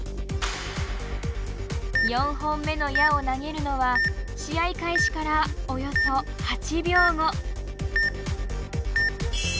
４本目の矢を投げるのは試合開始からおよそ８秒後。